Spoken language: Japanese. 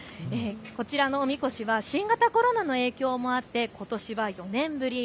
こちらのおみこしは新型コロナの影響もあってことしは４年ぶり。